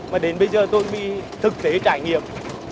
mà đến bây giờ tôi bị thực tế trải nghiệm